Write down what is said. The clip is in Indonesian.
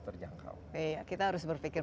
terjangkau kita harus berpikir